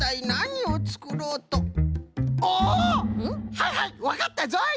はいはいわかったぞい！